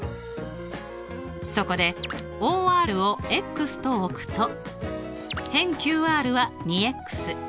そこでＯＲをとおくと辺ＱＲは２。